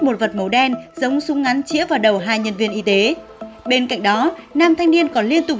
một vật màu đen giống súng ngắn chĩa vào đầu hai nhân viên y tế bên cạnh đó nam thanh niên còn liên tục